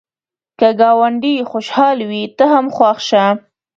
که ګاونډی خوشحال وي، ته هم خوښ شه